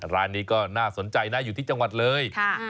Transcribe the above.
ร้านนี้ก็น่าสนใจนะอยู่ที่จังหวัดเลย